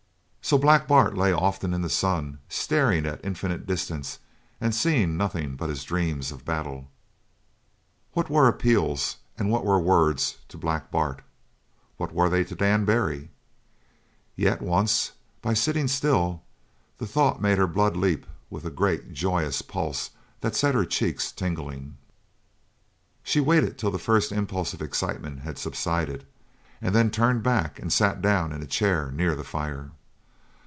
So Black Bart lay often in the sun, staring at infinite distance and seeing nothing but his dreams of battle. What were appeals and what were words to Black Bart? What were they to Dan Barry? Yet once, by sitting still the thought made her blood leap with a great, joyous pulse that set her cheeks tingling. She waited till the first impulse of excitement had subsided, and then turned back and sat down in a chair near the fire.